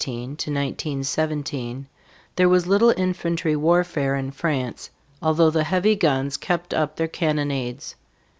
During the winter of 1916 1917 there was little infantry warfare in France, although the heavy guns kept up their cannonades.